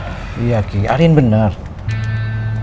kamu itu ngapain sampe ngunci kamar kamu segala